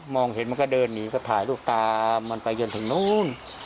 เห็นมันก็เดินหนีก็ถ่ายลูกตามันไปจนถึงนู้น